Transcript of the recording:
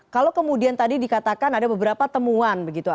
kalau kemudian tadi dikatakan ada beberapa temuan begitu